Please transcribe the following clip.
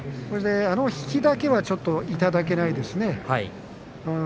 あの引きだけはちょっといただけないですね。